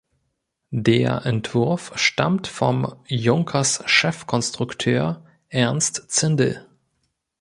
Der Entwurf stammt vom Junkers-Chefkonstrukteur Ernst Zindel.